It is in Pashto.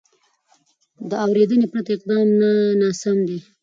د اورېدنې پرته اقدام ناسم دی.